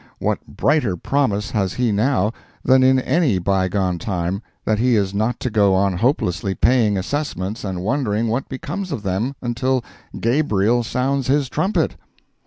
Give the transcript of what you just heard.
What brighter promise has he now than in any by gone time that he is not to go on hopelessly paying assessments and wondering what becomes of them, until Gabriel sounds his trumpet?